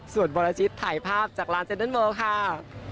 ส่วนบราชิตถ่ายภาพจากลานเซ็นต์เมอร์ค่ะ